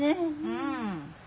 うん。